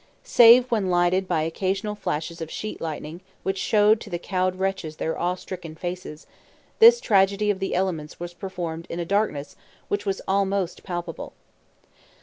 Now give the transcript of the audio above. Save when lighted by occasional flashes of sheet lightning, which showed to the cowed wretches their awe stricken faces, this tragedy of the elements was performed in a darkness which was almost palpable.